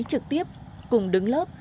trực tiếp cùng đứng lớp